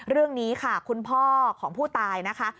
เรื่องนี้ค่ะคุณพ่อของผู้ตายนะคะ